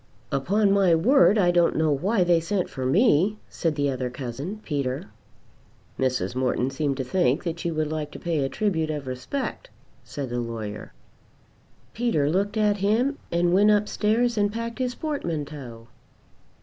"Upon my word I don't know why they sent for me," said the other cousin, Peter. "Mrs. Morton seemed to think that you would like to pay a tribute of respect," said the lawyer. Peter looked at him and went upstairs and packed his portmanteau.